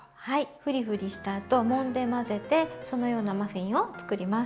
ふりふりしたあともんで混ぜてそのようなマフィンを作ります。